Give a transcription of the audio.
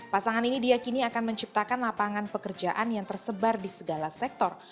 pasangan ini diakini akan menciptakan lapangan pekerjaan yang tersebar di segala sektor